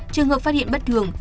trường hợp phát hiện bất thường